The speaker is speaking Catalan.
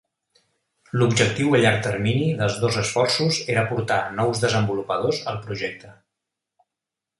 L'objectiu a llarg termini dels dos esforços era portar nous desenvolupadors al projecte.